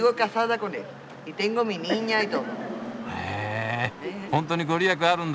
へえほんとに御利益あるんだ。